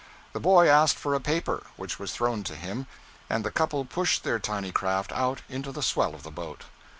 The boy asked for a paper, which was thrown to him, and the couple pushed their tiny craft out into the swell of the boat.